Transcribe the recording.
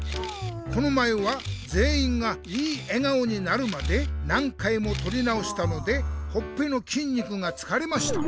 この前はぜんいんがいい笑顔になるまで何回もとり直したのでほっぺのきんにくがつかれました。